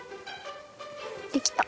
できた。